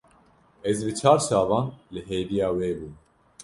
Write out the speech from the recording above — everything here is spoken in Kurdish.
Ez bi çar çavan li hêviya wê bûm.